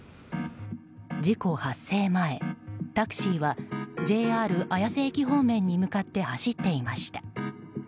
事故発生前、タクシーはＪＲ綾瀬駅方面に向かって走っていました。